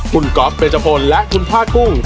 คุณก๊อบเบเจฟณ์และทุนผ้ากุ้ง